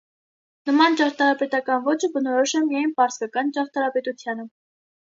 Նման ճարտարապետական ոճը բնորոշ է միայն պարսկական ճարտարապետությանը։